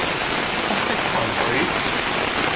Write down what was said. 不識抬舉